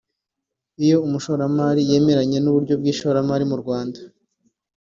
“Iyo umushoramri yemeranya n’uburyo bw’ishoramari mu Rwanda